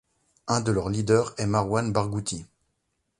Un de leurs leaders est Marouane Barghouti.